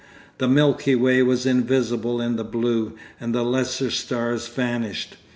The Milky Way was invisible in the blue, and the lesser stars vanished.